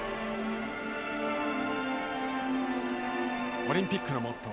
オリンピックのモットー